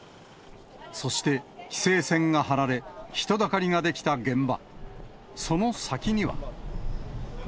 そして、規制線が張られ、人だかりが出来た現場。